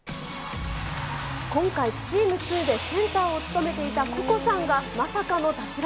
今回、チーム２でセンターを務めていたココさんが、まさかの脱落。